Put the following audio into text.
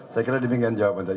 saya kira demikian jawaban tadi